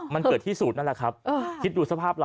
มันเกิดที่สูตรนั่นแหละครับคิดดูสภาพเรา